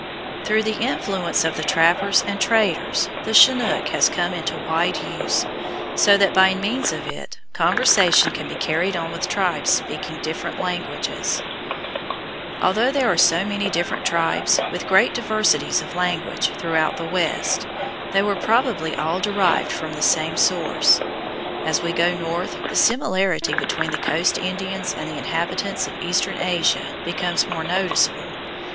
Through the influence of the trappers and traders the "Chinook" has come into wide use, so that by means of it conversation can be carried on with tribes speaking different languages. [Illustration: FIG. 66. TOTEM POLE Alert Bay, British Columbia] Although there are so many different tribes, with great diversities of language, throughout the West, they were probably all derived from the same source. As we go north the similarity between the coast Indians and the inhabitants of eastern Asia becomes more noticeable.